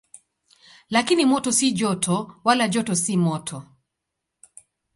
Lakini moto si joto, wala joto si moto.